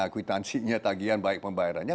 kwitansinya tagihan baik pembayarannya